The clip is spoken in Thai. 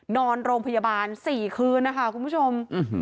นอนโรงพยาบาล๔คืนนะคะคุณผู้ชม